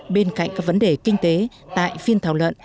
bên cạnh các vấn đề kinh tế tại phiên thảo luận